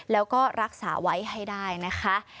แล้วก็รักษาไว้ให้ได้นะคะ